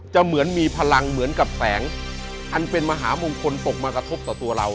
เหมือนมีพลังเหมือนกับแสงอันเป็นมหามงคลตกมากระทบต่อตัวเรา